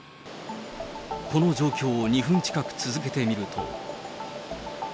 この状況を２分近く続けてみると。